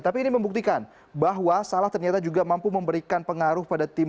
tapi ini membuktikan bahwa salah ternyata juga mampu memberikan pengaruh pada tim